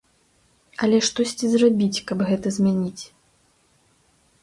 Але штосьці зрабіць, каб гэта змяніць?